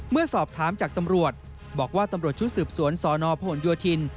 เมื่อสอบถามจากตำรวจบอกว่าตำรวจชุดสืบสวนสนพหนโยธิน